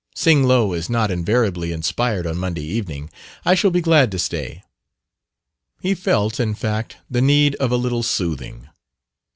"Sing Lo is not invariably inspired on Monday evening. I shall be glad to stay." He felt, in fact, the need of a little soothing.